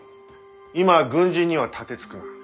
今は軍人には盾つくな。